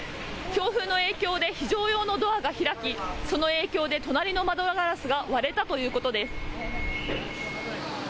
強風の影響で非常用のドアが開きその影響で隣の窓ガラスが割れたということです。